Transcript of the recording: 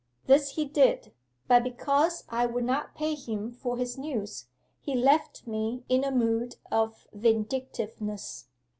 This he did; but because I would not pay him for his news, he left me in a mood of vindictiveness.